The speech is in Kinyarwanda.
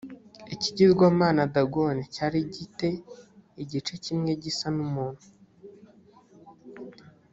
ikigirwamana dagoni cyari gi te igice kimwe gisa n umuntu